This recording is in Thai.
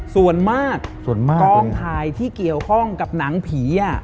ส่วนมากกล้องถ่ายที่เกี่ยวข้องกับหนังผีอะ